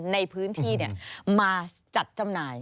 ในพื้นที่มาจัดจำหน่าย